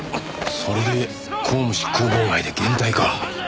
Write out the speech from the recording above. それで公務執行妨害で現逮か。